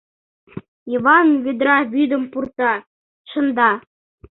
Йыван ведра вӱдым пурта, шында.